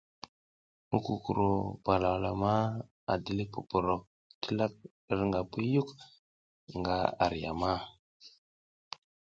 Mukukuro palalama a dilik poprok dilak hirnga puyuk nga ar yam.